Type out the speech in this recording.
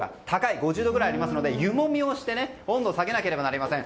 ５０度くらいありますので湯もみをして温度を下げなければいけません。